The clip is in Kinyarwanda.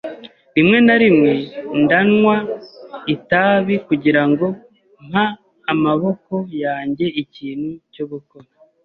Rimwe na rimwe ndanywa itabi kugirango mpa amaboko yanjye ikintu cyo gukora.